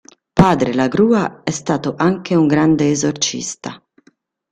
Padre La Grua è stato anche un grande esorcista.